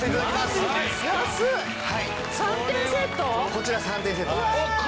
こちら３点セットです。